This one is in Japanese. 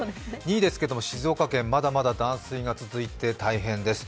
２位ですけれども、静岡県まだまだ断水が続いて大変です。